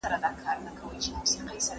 ناتواني له کولمو سره تړاو لري.